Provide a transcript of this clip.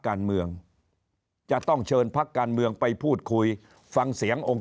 การเมืองจะต้องเชิญพักการเมืองไปพูดคุยฟังเสียงองค์